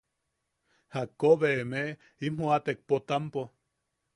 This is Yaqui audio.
¿Jakko be emeʼe im joʼatek inim Potampo?